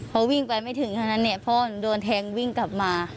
พอวิ่งไปไม่ถึงเท่านั้นเนี่ยพ่อโดนแทงวิ่งกลับมา